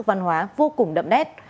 văn hóa vô cùng đậm đét